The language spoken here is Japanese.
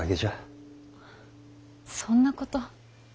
そんなこと。